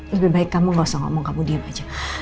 lebih baik kamu gak usah ngomong kamu diam aja